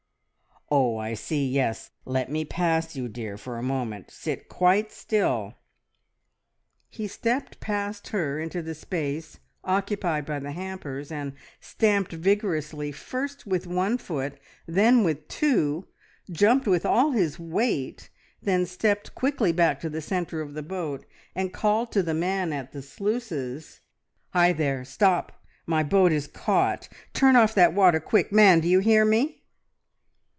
"Oh, I see! Yes. Let me pass you, dear, for a moment. Sit quite still!" He stepped past her into the space occupied by the hampers, and stamped vigorously first with one foot, then with two, jumped with all his weight, then stepped quickly back to the centre of the boat and called to the man at the sluices "Hi, there! Stop! My boat is caught! Turn off that water! Quick, man, do you hear me!"